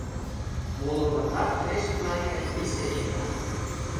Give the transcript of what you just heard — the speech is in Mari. Моло-влакат Крешын марий гай писе лийза!